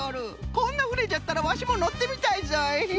こんなふねじゃったらワシものってみたいぞい。